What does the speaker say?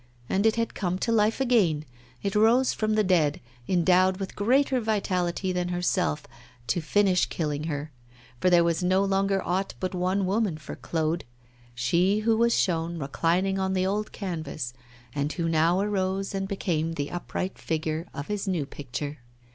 And it had come to life again, it rose from the dead, endowed with greater vitality than herself, to finish killing her, for there was no longer aught but one woman for Claude she who was shown reclining on the old canvas, and who now arose and became the upright figure of his new picture.